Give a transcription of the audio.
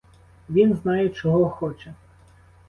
Він знає, чого хоче.